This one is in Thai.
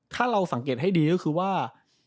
ถ้าเราสังเกตให้ดีก็คือว่า